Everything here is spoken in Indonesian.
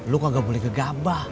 lo kagak boleh gegabah